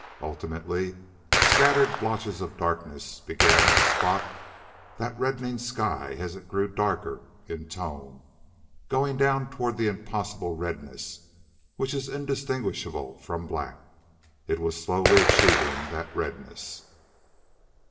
Ultimately, scattered blotches of darkness began to spot that reddening sky as it grew darker in tone, going down toward that impossible redness which is indistinguishable from black. It was slowly achieving that redness.